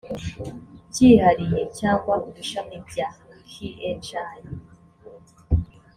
byihariye cyangwa udushami bya khi